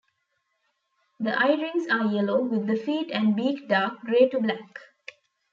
Their eye-rings are yellow, with the feet and beak dark gray to black.